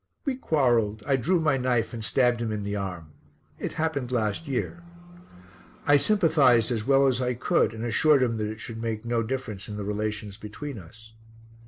We quarrelled. I drew my knife and stabbed him in the arm. It happened last year." I sympathized as well as I could and assured him that it should make no difference in the relations between us.